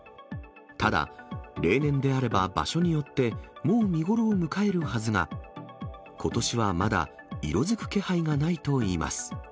ただ、例年であれば場所によって、もう見頃を迎えるはずが、ことしはまだ色づく気配がないといいます。